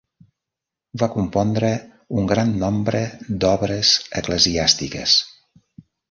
Va compondre un gran nombre d'obres eclesiàstiques.